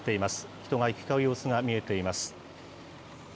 人が行き交う様子が見えています。